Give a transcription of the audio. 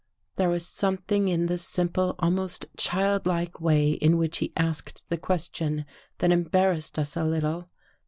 There was something in the simple, almost child like way in which he asked the question, that em barrassed us a little.